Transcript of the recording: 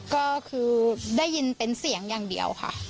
ก็คือได้ยินเป็นเสียงอย่างเดียวค่ะ